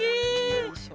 よいしょ。